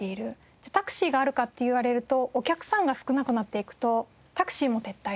じゃあタクシーがあるかっていわれるとお客さんが少なくなっていくとタクシーも撤退していってしまう。